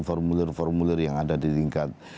formulir formulir yang ada di tingkat